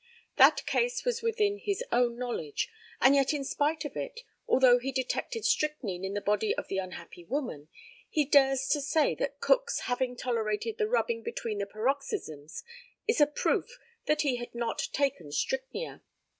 That case was within his own knowledge; and yet in spite of it, although he detected strychnine in the body of the unhappy woman, he dares to say that Cook's having tolerated the rubbing between the paroxysms is a proof that he had not taken strychnia.